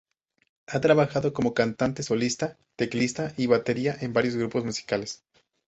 Ha trabajado como cantante solista, teclista y batería en varios grupos musicales.